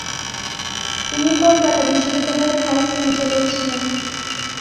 তিনি কলকাতা বিশ্ববিদ্যালয়ের ভাইস-চ্যান্সেলর ছিলেন।